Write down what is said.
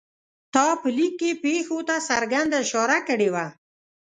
تا په لیک کې پېښو ته څرګنده اشاره کړې وه.